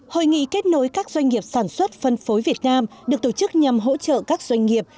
hội nghị kết nối các doanh nghiệp sản xuất phân phối việt nam được tổ chức nhằm hỗ trợ các doanh nghiệp